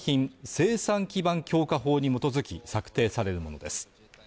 生産基盤強化法に基づき策定されるものです。